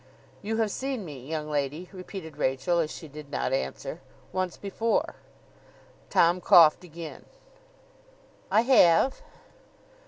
'You have seen me, young lady,' repeated Rachael, as she did not answer, 'once before.' Tom coughed again. 'I have.